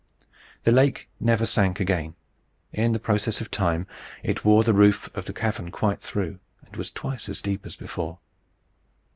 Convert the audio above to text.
The lake never sank again. In process of time, it wore the roof of the cavern quite through, and was twice as deep as before.